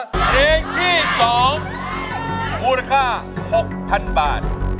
เพลงที่๒มูลค่า๖๐๐๐บาท